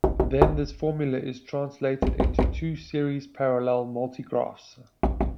Then this formula is translated into two series-parallel multigraphs.